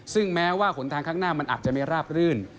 ซึ่งแม้ว่าหนทางข้างหน้ามันอาจจะไม่ราบรื่น